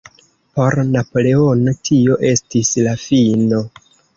Por Napoleono tio estis la fino.